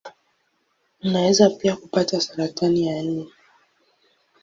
Unaweza pia kupata saratani ya ini.